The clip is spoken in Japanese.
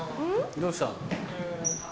どうした？